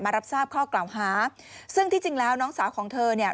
รับทราบข้อกล่าวหาซึ่งที่จริงแล้วน้องสาวของเธอเนี่ย